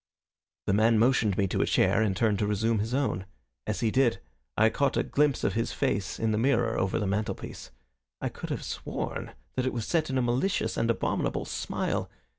The man motioned me to a chair, and turned to resume his own. As he did so I caught a glimpse of his face in the mirror over the mantelpiece. I could have sworn that it was set in a malicious and abominable smile.